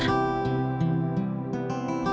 dia mencoba bubur yang terbakar